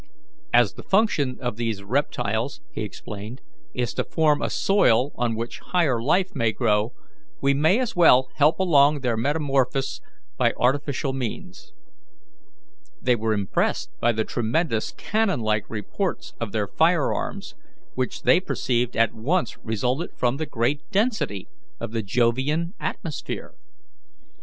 "As the function of these reptiles," he explained, "is to form a soil on which higher life may grow, we may as well help along their metamorphosis by artificial means." They were impressed by the tremendous cannon like reports of their firearms, which they perceived at once resulted from the great density of the Jovian atmosphere.